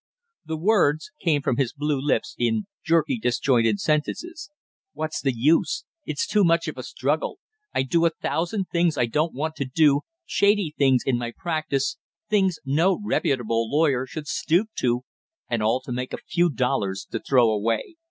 The words came from his blue lips in jerky disjointed sentences. "What's the use, it's too much of a struggle! I do a thousand things I don't want to do, shady things in my practice, things no reputable lawyer should stoop to, and all to make a few dollars to throw away.